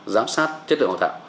giám sát chất lượng đào tạo